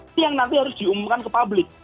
itu yang nanti harus diumumkan ke publik